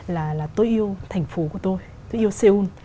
là tôi yêu thành phố của tôi tôi yêu seoul